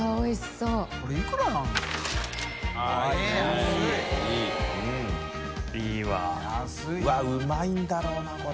うわっうまいんだろうなこれ。